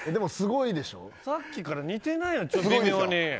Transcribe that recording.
さっきから似てないのよ微妙に。